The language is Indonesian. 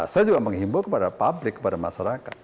saya juga menghimbau kepada publik kepada masyarakat